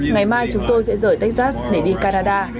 ngày mai chúng tôi sẽ rời texas để đi canada